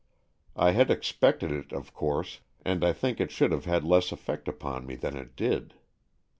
I had expected it, of course, and I think it should have had less effect upon me than it did.